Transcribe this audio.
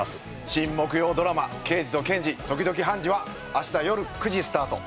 新木曜ドラマ『ケイジとケンジ、時々ハンジ。』は明日よる９時スタート。